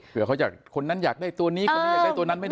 เผื่อเขาอยากคนนั้นอยากได้ตัวนี้คนนี้อยากได้ตัวนั้นไม่ได้